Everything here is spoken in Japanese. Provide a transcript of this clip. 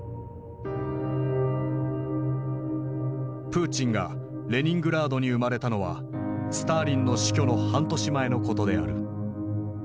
プーチンがレニングラードに生まれたのはスターリンの死去の半年前のことである。